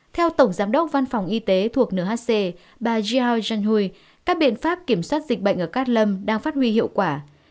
theo tổng giám đốc văn phòng y tế thuộc nhc bà jeal jenui các biện pháp kiểm soát dịch bệnh ở cát lâm đang phát huy hiệu quả